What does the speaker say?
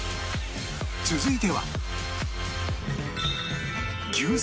続いては